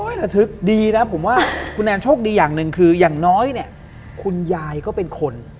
ระทึกดีนะผมว่าคุณแนนโชคดีอย่างหนึ่งคืออย่างน้อยเนี่ยคุณยายก็เป็นคน